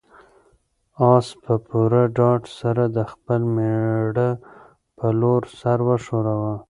آس په پوره ډاډ سره د خپل مېړه په لور سر وښوراوه.